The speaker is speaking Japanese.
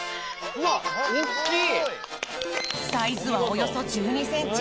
サイズはおよそ１２センチ。